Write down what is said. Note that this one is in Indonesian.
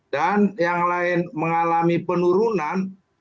dan yang lain mengalami penurunan